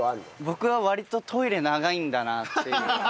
僕は割とトイレ長いんだなって気づきました。